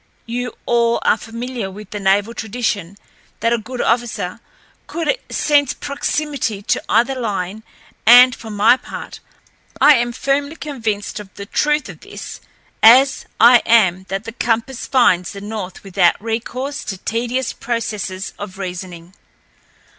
You all are familiar with the naval tradition that a good officer could sense proximity to either line, and for my part, I am as firmly convinced of the truth of this as I am that the compass finds the north without recourse to tedious processes of reasoning.